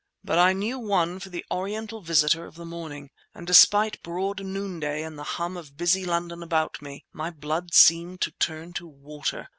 But I knew one for the Oriental visitor of the morning, and despite broad noonday and the hum of busy London about me, my blood seemed to turn to water.